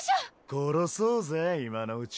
殺そうぜ今のうち。